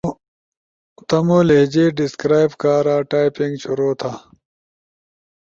تمو لہجے ڈیسکرائب کارا ٹائپنگ شروع تھا